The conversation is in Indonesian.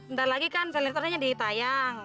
ntar lagi kan validitasnya ditayang